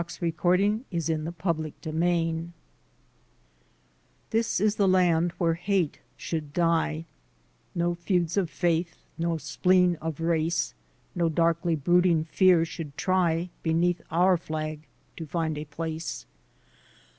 STUMBLING BLOCKS TO ASSIMILATION This is the land where hate should die No feuds of faith, no spleen of race, No darkly brooding fear should try Beneath our flag to find a place.